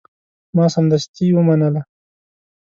ما سمدستي ومنله.